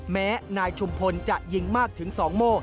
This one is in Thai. แม้นายชุมพลจะยิงมากถึง๒โม่